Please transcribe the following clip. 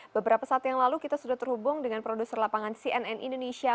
beberapa saat yang lalu kita sudah terhubung dengan produser lapangan cnn indonesia